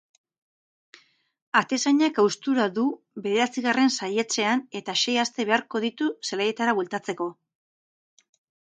Atezainak haustura du bederatzigarren saihetsean eta sei aste beharko ditu zelaietara bueltatzeko.